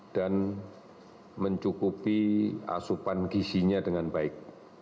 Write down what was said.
dan mencukupi asupan gisinya dengan baik